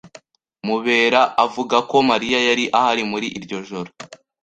Mubera avuga ko Mariya yari ahari muri iryo joro.